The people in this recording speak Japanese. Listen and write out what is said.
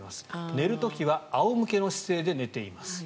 寝る時は仰向けの姿勢で寝てます。